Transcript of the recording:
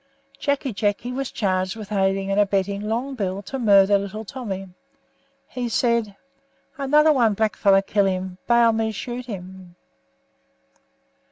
Jacky Jacky was charged with aiding and abetting Long Bill to murder little Tommy. He said: "Another one blackfellow killed him, baal me shoot him."